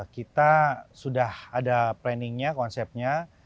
kita sudah ada planningnya konsepnya